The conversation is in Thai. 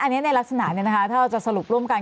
อันนี้ในลักษณะนี้นะคะถ้าเราจะสรุปร่วมกัน